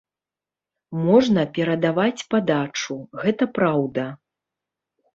Можна перадаваць падачу, гэта праўда.